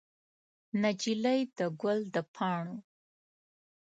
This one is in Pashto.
نجلۍ د ګل د پاڼو